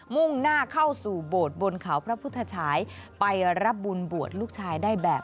มุ่งหน้าเข้าสู่บทบนเขาพระพุทธชาย